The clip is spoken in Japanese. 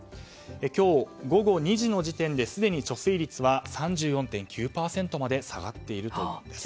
今日午後２時の時点ですでに貯水率は３４．９％まで下がっているといいます。